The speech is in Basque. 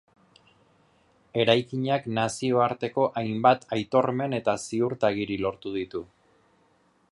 Eraikinak nazioarteko hainbat aitormen eta ziurtagiri lortu ditu.